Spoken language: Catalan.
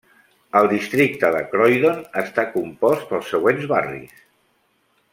El districte de Croydon està compost pels següents barris.